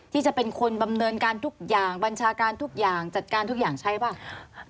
ที่จะเป็นคนดำเนินการทุกอย่างบัญชาการทุกอย่างจัดการทุกอย่างใช้เปล่า